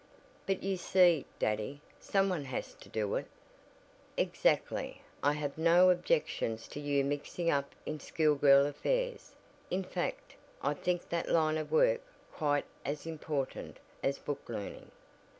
"But you see, daddy, someone has to do it," "Exactly. I have no objections to you mixing up in school girl affairs; in fact I think that line of work quite as important as book learning.